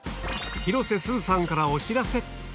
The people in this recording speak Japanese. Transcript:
広瀬すずさんからお知らせ。